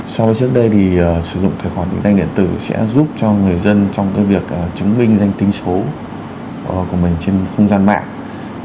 so với trước đây thì sử dụng tài khoản định danh điện tử sẽ giúp cho người dân trong việc chứng minh danh tính số của mình trên không gian mạng